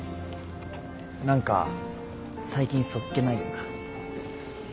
何か最近そっけないよな。